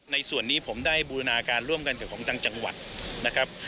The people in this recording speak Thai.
ในส่วนนี้ผมได้บูรณาการร่วมกันกับของทางจังหวัดนะครับ